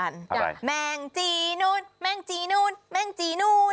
อะไรแมงจี้นุนแมงจี้นุนแมงจี้นุน